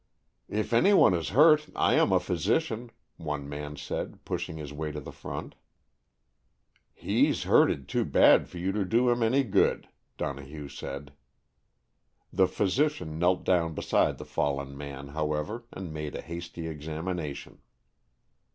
"If any one is hurt, I am a physician," one man said, pushing his way to the front. "He's hurted too bad for you to do him any good," Donohue said. The physician knelt down beside the fallen man, however, and made a hasty examination.